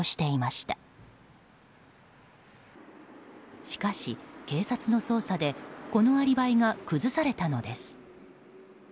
しかし、警察の捜査でこのアリバイが崩されたのです。